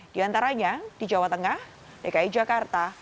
di antaranya di jawa tengah dki jakarta